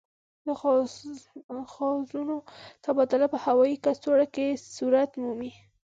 د غازونو تبادله په هوايي کڅوړو کې صورت مومي.